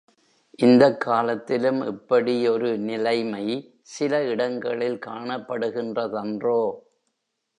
இந்தக் காலத்திலும் இப்படி ஒரு நிலைமை சில இடங்களில் காணப்படுகின்றதன்றோ?